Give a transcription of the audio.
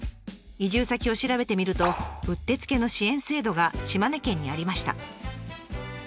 移住先を調べてみるとうってつけの支援制度が島根県にありました。